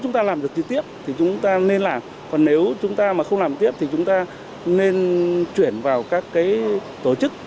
chúng ta làm được trực tiếp thì chúng ta nên làm còn nếu chúng ta mà không làm tiếp thì chúng ta nên chuyển vào các tổ chức